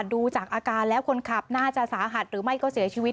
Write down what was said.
ดูจากอาการแล้วคนขับน่าจะสาหัสหรือไม่ก็เสียชีวิต